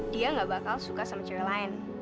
dia gak bakal suka sama cewek lain